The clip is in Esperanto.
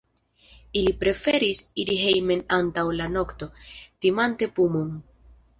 Ili preferis iri hejmen antaŭ la nokto, timante pumon.